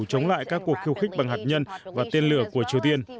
chống lại các cuộc khiêu khích bằng hạt nhân và tên lửa của triều tiên